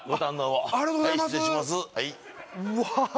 はいうわあ